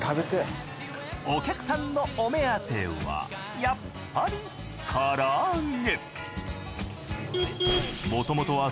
お客さんのお目当てはやっぱりから揚げ。